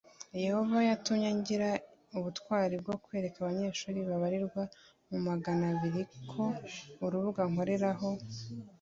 ati yehova yatumye ngira ubutwari bwo kwereka abanyeshuri babarirwa mu magana biri k urubuga nkoreraho